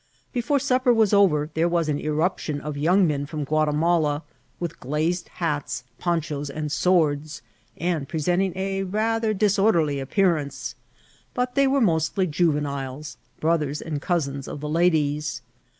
Bef<n« siqpper was over there was an imqption of young men firom Onatimala, with glazed hats, ponchas, and swords, and presenting a rather disorderly appearance ; but they were mostly juveniles, brothers and cousins of the ladies.